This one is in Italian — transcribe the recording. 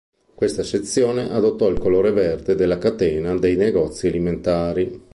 Questa sezione adottò il colore verde della catena dei negozi alimentari.